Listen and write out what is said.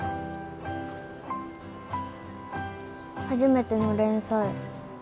初めての連載